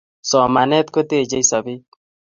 Somanet kotechei sobet